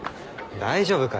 大丈夫かよ。